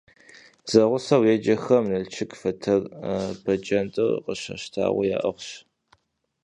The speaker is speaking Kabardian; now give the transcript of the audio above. Зэгъусэу еджэхэм Налшык фэтэр бэджэндэу къыщащтауэ яӏыгъщ.